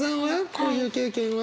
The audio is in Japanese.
こういう経験は？